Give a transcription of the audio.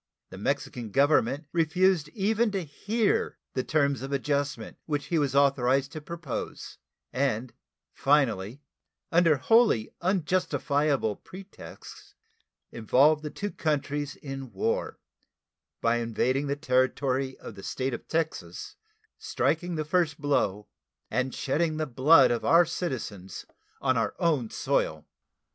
The Mexican Government refused even to hear the terms of adjustment which he was authorized to propose, and finally, under wholly unjustifiable pretexts, involved the two countries in war by invading the territory of the State of Texas, striking the first blow, and shedding the blood of our citizens on our own soil.